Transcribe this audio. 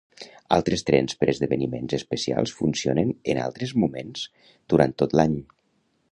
Altres trens per esdeveniments especials funcionen en altres moments durant tot l'any.